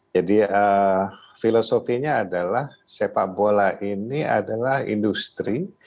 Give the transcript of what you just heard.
jadi filosofinya adalah sepak bola ini adalah industri